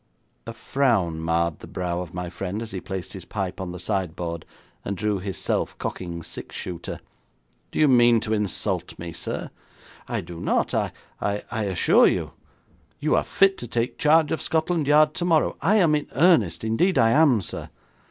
A frown marred the brow of my friend as he placed his pipe on the sideboard and drew his self cocking six shooter. 'Do you mean to insult me, sir?' 'I do not I I assure you. You are fit to take charge of Scotland Yard tomorrow . I am in earnest, indeed I am, sir.'